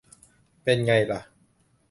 เป็นไงล่ะ